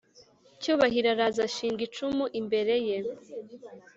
cyubahiro araza ashinga icumu imbere ye